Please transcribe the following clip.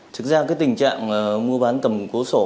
thực ra tình trạng mua bán cầm cố sổ